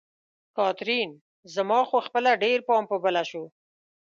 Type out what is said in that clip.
کاترین: زما خو خپله ډېر پام په بله شو.